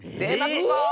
ここ！